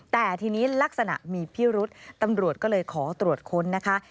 แต่ทีนี้ลักษณะมีพิรุษตำรวจก็เลยขอตรวจค้นนะคะ